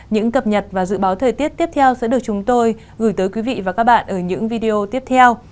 những cập nhật và dự báo thời tiết tiếp theo sẽ được chúng tôi gửi tới quý vị và các bạn ở những video tiếp theo